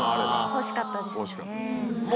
欲しかったですね。